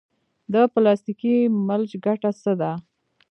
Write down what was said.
د پلاستیکي ملچ ګټه څه ده؟